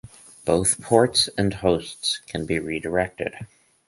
Both ports and hosts can be redirected.